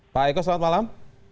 pak eko selamat malam